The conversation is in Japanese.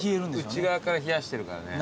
内側から冷やしてるからね。